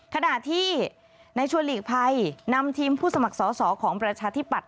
ขณะที่ในชวนหลีกภัยนำทีมผู้สมัครสอสอของประชาธิปัตย